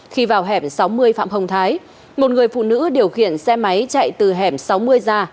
khi vào hẻm sáu mươi phạm hồng thái một người phụ nữ điều khiển xe máy chạy từ hẻm sáu mươi ra